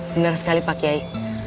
benar sekali pak kiai